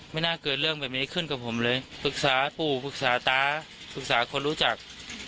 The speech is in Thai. ไม่น่าเกิดเรื่องแบบนี้ขึ้นกับผมเลยปรึกษาปู่ปรึกษาตาปรึกษาคนรู้จัก